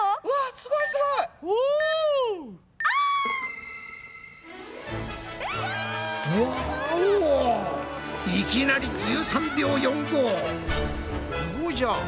すごいじゃん！